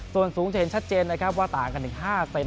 ส่วนสูงจะเห็นชัดเจนนะครับว่าต่างกันถึง๕เซน